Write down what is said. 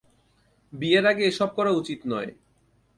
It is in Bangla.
বিয়ের আগে এসব করা উচিত নয়।